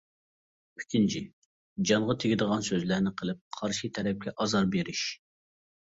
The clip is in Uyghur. ئۈچىنچى: جانغا تېگىدىغان سۆزلەرنى قىلىپ قارشى تەرەپكە ئازار بېرىش.